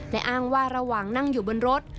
และอ้างว่าระหว่างนั่งอยู่บนรถ